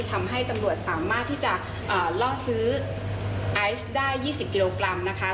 ทำให้ตำรวจสามารถที่จะล่อซื้อไอซ์ได้๒๐กิโลกรัมนะคะ